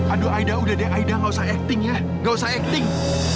aduh aida udah deh aida gak usah acting ya gak usah acting